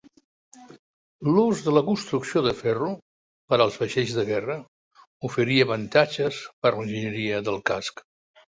L'ús de la construcció de ferro per als vaixells de guerra oferia avantatges per a l'enginyeria del casc.